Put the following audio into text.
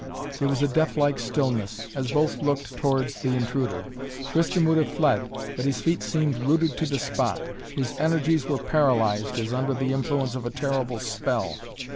There was a death like stillness, as both looked towards the intruder. Tristan would have fled, but his feet seemed rooted to the spot. His energies were paralyzed as under the influence of a terrible spell.